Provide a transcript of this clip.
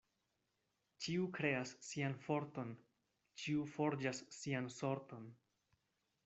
Ĉiu kreas sian forton, ĉiu forĝas sian sorton.